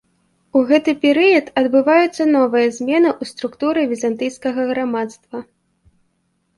У гэты перыяд адбываюцца новыя змены ў структуры візантыйскага грамадства.